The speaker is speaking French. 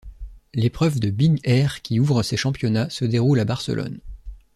L'épreuve de Big air qui ouvre ses championnats se déroule à Barcelone.